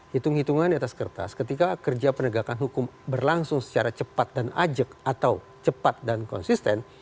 hitung hitungan di atas kertas ketika kerja penegakan hukum berlangsung secara cepat dan ajak atau cepat dan konsisten